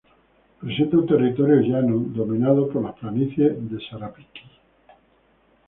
Presenta un territorio llano dominado por las planicies de Sarapiquí.